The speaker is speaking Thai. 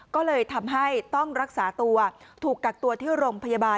ก็เลยทำให้ต้องรักษาตัวถูกกักตัวที่โรงพยาบาล